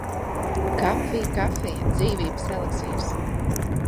Kafija, kafija! Dzīvības eliksīrs!